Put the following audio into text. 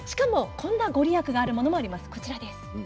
こんな御利益があるものもあります。